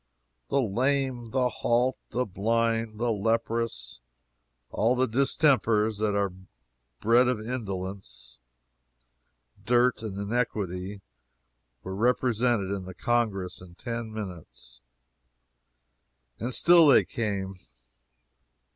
The lame, the halt, the blind, the leprous all the distempers that are bred of indolence, dirt, and iniquity were represented in the Congress in ten minutes, and still they came!